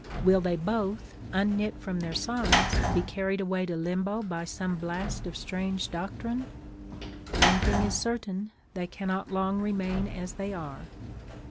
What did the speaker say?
Will they both, unknit from their sides, be carried away to Limbo by some blast of strange doctrine? One thing is certain, they cannot long remain as they are.